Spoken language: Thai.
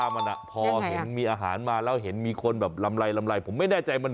มันจะออกอาการงี้แหละอ้าปากลอหรอกอยู่จะกิน